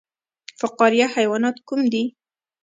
فقاریه حیوانات کوم دي؟